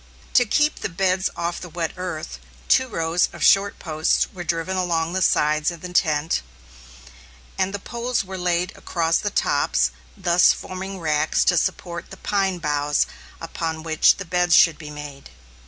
To keep the beds off the wet earth, two rows of short posts were driven along the sides in the tent, and poles were laid across the tops, thus forming racks to support the pine boughs upon which the beds should be made.